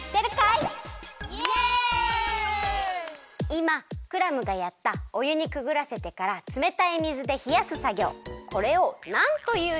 いまクラムがやったおゆにくぐらせてからつめたい水でひやすさぎょうこれをなんというでしょうか？